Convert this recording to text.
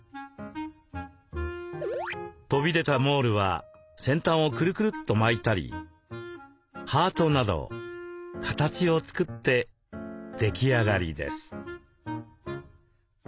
飛び出たモールは先端をクルクルッと巻いたりハートなど形を作って出来上がりです。